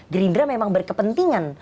gerindra memang berkepentingan